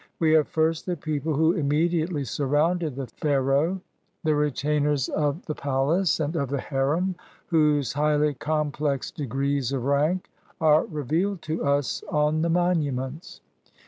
We have first the people who imme diately surrounded the Pharaoh, the retainers of the 14 THE KING'S PALACE AND HIS ATTENDANTS palace and of the harem, whose highly complex degrees of rank are revealed to us on the monuments.